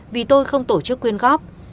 vì tôi không tổ chức quyên góp